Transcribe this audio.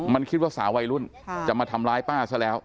มันคิดว่าสาววัยรุ่นจะมาทำร้ายป้าซะแล้ว